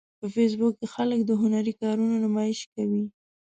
په فېسبوک کې خلک د هنري کارونو نمایش کوي